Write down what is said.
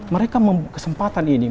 mereka kesempatan ini